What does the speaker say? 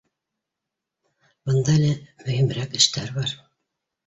Бында әле мөпимерәк эштәр бар